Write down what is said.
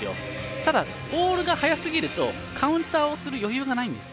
ただ、ボールが速すぎるとカウンターをする余裕がないんです。